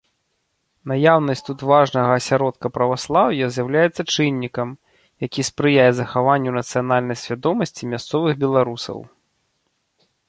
Наяўнасць тут важнага асяродка праваслаўя з'яўляецца чыннікам, які спрыяе захаванню нацыянальнай свядомасці мясцовых беларусаў.